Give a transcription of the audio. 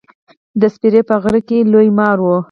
د سپرې په غره کښي لوی مار و.